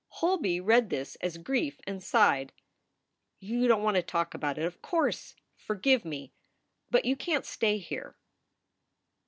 Holby read this as grief and sighed. "You don t want to talk about it, of course. Forgive me. But you can t stay here."